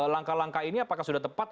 langkah langkah ini apakah sudah tepat